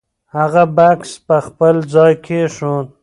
هغه بکس په خپل ځای کېښود.